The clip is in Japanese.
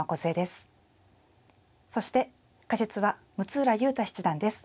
そして解説は六浦雄太七段です。